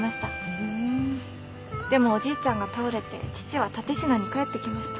でもおじいちゃんが倒れて父は蓼科に帰ってきました。